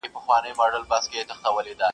نه یو بل موږک پرېږدي و خپلي خواته,